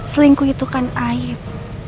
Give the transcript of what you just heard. selingkuh itu kan aib